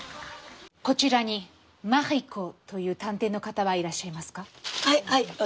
こちらにマリコという探偵の方はいらっしゃいますか？